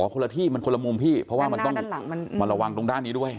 คนละที่มันคนละมุมพี่เพราะว่ามันต้องมาระวังตรงด้านนี้ด้วย